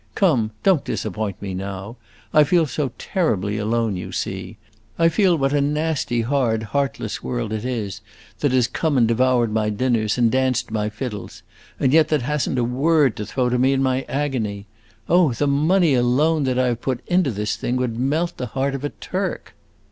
Come, don't disappoint me now! I feel so terribly alone, you see; I feel what a nasty, hard, heartless world it is that has come and devoured my dinners and danced to my fiddles, and yet that has n't a word to throw to me in my agony! Oh, the money, alone, that I have put into this thing, would melt the heart of a Turk!"